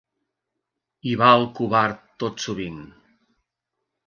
Hi va el covard tot sovint.